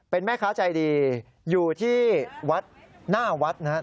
เป็นแม่ค้าใจดีอยู่ที่วัดหน้าวัดนะครับ